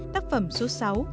tác phẩm số sáu